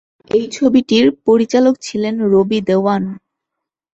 এই ছবিটির পরিচালক ছিলেন রবি দেওয়ান।